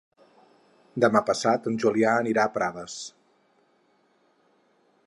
Demà passat en Julià anirà a Prades.